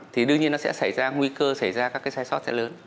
thì đương nhiên nó sẽ xảy ra nguy cơ xảy ra các sai sót rất lớn